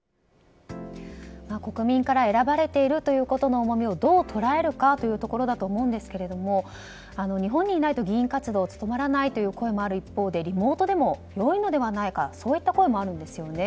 国民から選ばれているということの重みをどう捉えるかというところだと思うんですが日本にいないと議員活動が務まらないという声がある一方でリモートでもよいのではないかそういった声もあるんですよね。